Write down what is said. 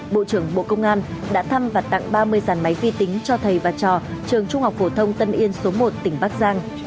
bộ trưởng bộ công an đã thăm và tặng ba mươi dàn máy vi tính cho thầy và trò trường trung học phổ thông tân yên số một tỉnh bắc giang